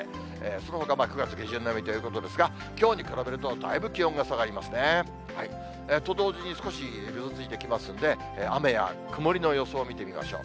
そのほか９月下旬並みということですが、きょうに比べるとだいぶ気温が下がりますね。と同時に、少しぐずついてきますので、雨や曇りの予想を見てみましょう。